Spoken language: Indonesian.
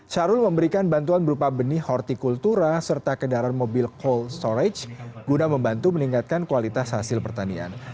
syahrul memberikan bantuan berupa benih hortikultura serta kendaraan mobil cold storage guna membantu meningkatkan kualitas hasil pertanian